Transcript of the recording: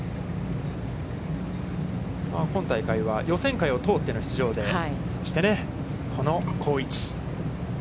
今大会は予選会を通っての出場で、そしてこの好位置。